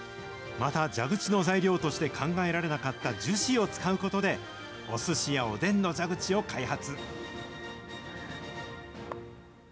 また、蛇口の材料として考えられなかった樹脂を使うことで、おすしやおでんの蛇口を開発。